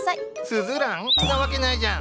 スズランんなわけないじゃん。